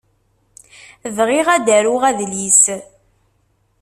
Bɣiɣ ad d-aruɣ adlis.